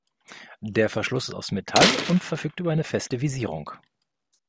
Der Verschluss ist aus Metall und verfügt über eine feste Visierung.